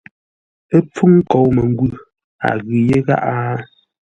Ə́ mpfúŋ nkou məngwʉ̂, a ghʉ yé gháʼá ?